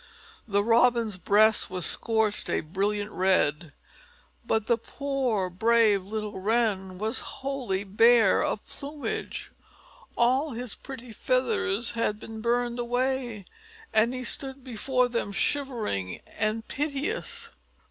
The Robin's breast was scorched a brilliant red, but the poor, brave little Wren was wholly bare of plumage. All his pretty feathers had been burned away, and he stood before them shivering and piteous.